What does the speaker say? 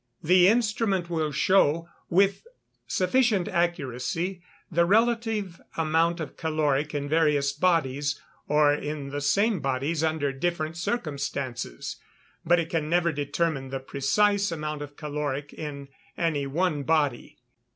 The instrument will show with sufficient accuracy the relative amount of caloric in various bodies, or in the same bodies under different circumstances, but it can never determine the precise amount of caloric in any one body.